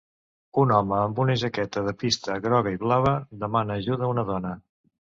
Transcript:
Un home amb una jaqueta de pista groga i blava demana ajuda a una dona.